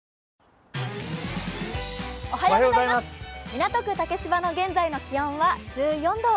港区竹芝の現在の気温は１４度。